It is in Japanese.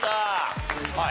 はい。